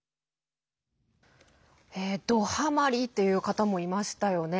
ドはまりという方もいましたよね。